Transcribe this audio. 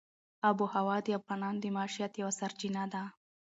آب وهوا د افغانانو د معیشت یوه سرچینه ده.